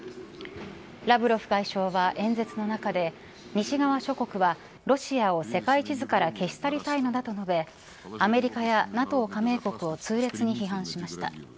ラブロフ外相は演説の中で西側諸国はロシアを世界地図から消し去りたいのだと述べアメリカやＮＡＴＯ加盟国を痛烈に批判しました。